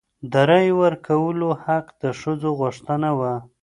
د رایې ورکولو حق د ښځو غوښتنه وه.